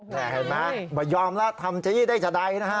เห็นมะยอมแล้วทำจริงได้จะได้นะฮะ